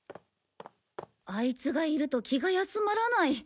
あいつがいると気が休まらない。